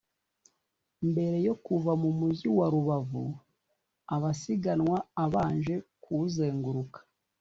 Mbere yo kuva mu mujyi wa Rubavu abasiganwa abanje kuwuzeguruka